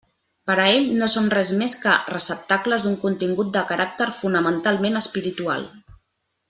Per a ell no són res més que receptacles d'un contingut de caràcter fonamentalment espiritual.